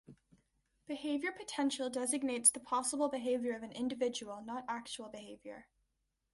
Behavior potential designates the possible behavior of an individual, not actual behavior.